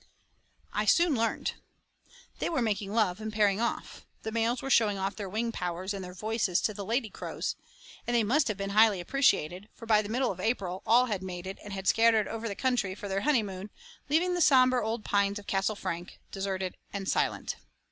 I soon learned. They were making love and pairing off. The males were showing off their wing powers and their voices to the lady crows. And they must have been highly appreciated, for by the middle of April all had mated and had scattered over the country for their honeymoon, leaving the sombre old pines of Castle Frank deserted and silent.